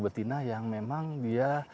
betina yang memang dia